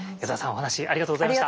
お話ありがとうございました。